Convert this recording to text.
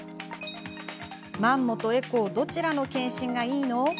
マンモとエコーどちらの検診がいいの？